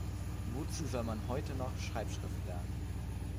Wozu soll man heute noch Schreibschrift lernen?